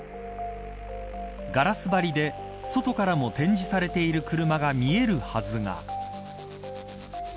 ガラス張りで、外からも展示されている車が見えるはずが。